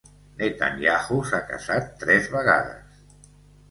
Netanyahu s'ha casat tres vegades.